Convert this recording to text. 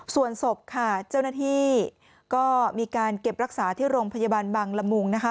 ส่วนศพค่ะเจ้าหน้าที่ก็มีการเก็บรักษาที่โรงพยาบาลบังละมุงนะคะ